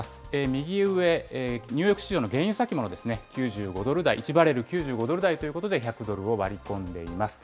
右上、ニューヨーク市場の原油先物ですね、９５ドル台、１バレル９５ドル台ということで、１００ドルを割り込んでいます。